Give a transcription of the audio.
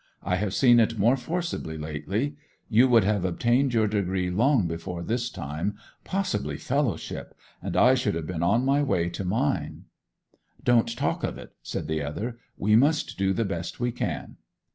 I have seen it more forcibly lately. You would have obtained your degree long before this time—possibly fellowship—and I should have been on my way to mine.' 'Don't talk of it,' said the other. 'We must do the best we can.